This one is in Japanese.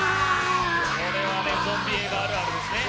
これはゾンビ映画あるあるですね。